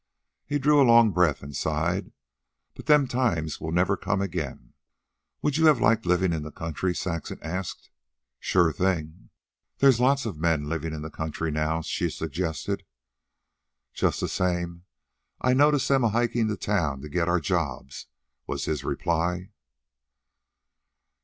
He drew a long breath and sighed. "But them times will never come again." "Would you have liked living in the country?" Saxon asked. "Sure thing." "There's lots of men living in the country now," she suggested. "Just the same I notice them a hikin' to town to get our jobs," was his reply.